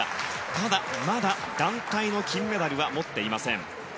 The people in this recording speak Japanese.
ただ、まだ団体の金メダルは持っていません。